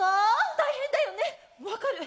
大変だよね分かる。